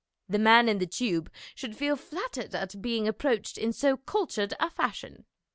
The man in the Tube should feel flattered at being approached in so cultured a fashion.